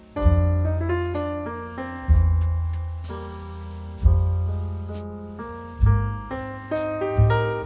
kangen banget sama rumah